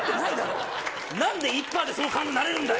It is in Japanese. なんで１パーでその顔になれるんだよ。